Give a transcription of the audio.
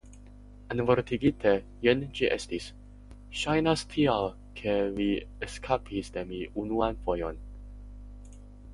"Envortigite, jen ĝi estis: "Ŝajnas tial ke vi eskapis de mi unuan fojon."